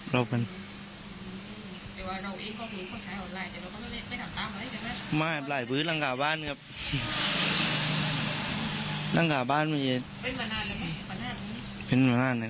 เยี่ยมอันนี้ที่ชั้นได้ไม่ใช่ไม่ใช่